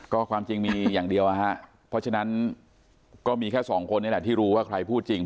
ก็ความจริงมีอย่างเดียวนะฮะเพราะฉะนั้นก็มีแค่สองคนนี่แหละที่รู้ว่าใครพูดจริง